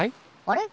あれ？